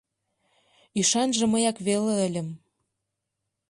Ӱшанже мыяк веле ыльым.